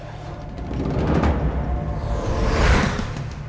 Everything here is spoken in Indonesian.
ternyata gue udah berhasil